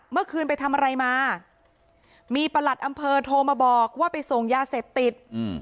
เมื่อคืนไปทำอะไรมามีประหลัดอำเภอโทรมาบอกว่าไปส่งยาเสพติด